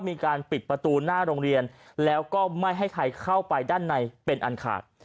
มีการปิดประตูหน้าโรงเรียนแล้วก็ไม่ให้ใครเข้าไปด้านในเป็นอันขาด